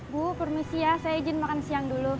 bu permisi ya saya izin makan siang dulu